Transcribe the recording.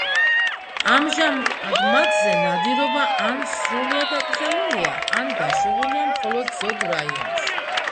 ამჟამად მათზე ნადირობა ან სრულიად აკრძალულია, ან დაშვებულია მხოლოდ ზოგ რაიონში.